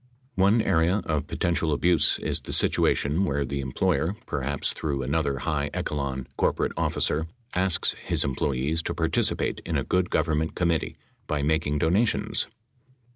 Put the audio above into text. One area of potential abuse is the situation where the employer — perhaps through another high echelon corporate officer — asks his employees to participate in a good government committee by making donations.